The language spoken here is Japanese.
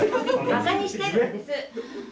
馬鹿にしているんです。